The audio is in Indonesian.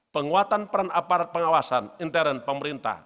penguatan peran aparat pengawasan intern pemerintah